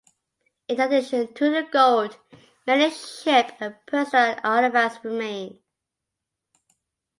In addition to the gold, many ship and personal artifacts remain.